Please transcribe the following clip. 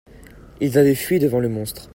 ils avaient fui devant le monstre.